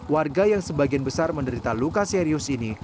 warga yang sebagian besar menderita luka serius ini